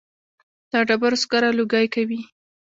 د ډبرو سکاره لوګی کوي